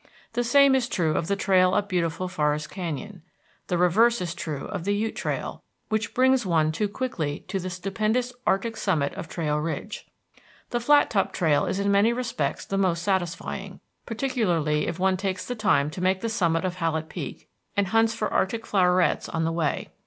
The same is true of the trail up beautiful Forest Canyon. The reverse is true of the Ute Trail, which brings one too quickly to the stupendous arctic summit of Trail Ridge. The Flattop Trail is in many respects the most satisfying, particularly if one takes the time to make the summit of Hallett Peak, and hunts for arctic flowerets on the way.